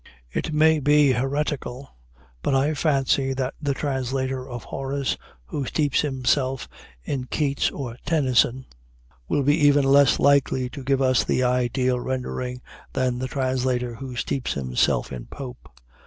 It may be heretical, but I fancy that the translator of Horace who steeps himself in Keats or Tennyson, will be even less likely to give us the ideal rendering than the translator who steeps himself in Pope.